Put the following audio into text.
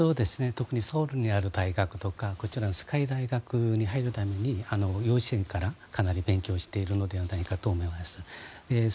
特にソウルにある大学とかこちらのＳＫＹ大学に入るために幼稚園からかなり勉強しているのではないかと思います。